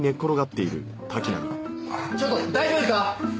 ちょっと大丈夫ですか！？